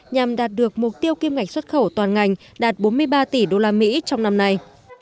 nhằm đạt được mục tiêu kim ngạch xuất khẩu toàn ngành đạt bốn mươi ba tỷ usd trong năm nay